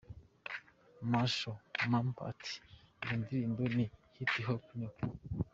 Masho Mampa ati, “Iyo ndirimbo ni Hip Hop, ni ukuri.